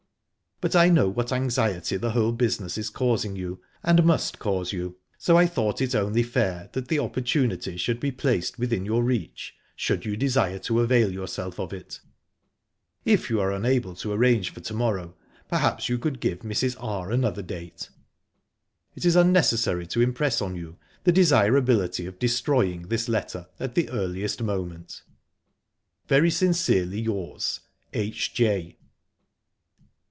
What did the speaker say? But I know what anxiety the whole business is causing you, and must cause you so I thought it only fair that the opportunity should be placed within your reach, should you desire to avail yourself of it. If you are unable to arrange for to morrow, perhaps you could give Mrs. R. another date? "It is unnecessary to impress on you the desirability of destroying this letter at the earliest moment. "Very sincerely yours. "H.J."